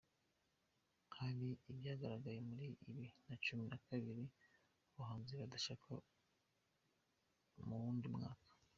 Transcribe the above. Hari ibyagaragaye muri bibiri nacumi nakabiri abahanzi badashaka muwundi mwaka